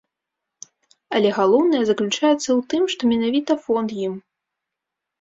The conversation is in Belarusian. Але галоўнае заключаецца ў тым, што менавіта фонд ім.